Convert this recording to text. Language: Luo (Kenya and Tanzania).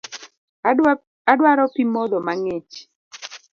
Adwaro pii modho mang'ich